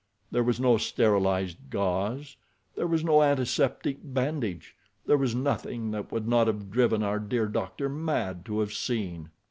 There was no sterilized gauze, there was no antiseptic bandage—there was nothing that would not have driven our dear doctor mad to have seen.